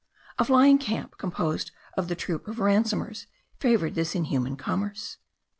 A flying camp, composed of the troop of ransomers,* favoured this inhuman commerce.